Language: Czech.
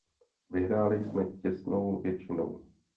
Vyhráli jsme těsnou většinou.